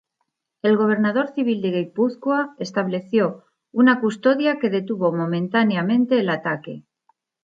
El gobernador civil de Guipúzcoa estableció una custodia que detuvo momentáneamente el ataque.